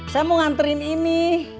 saya mau nganterin ini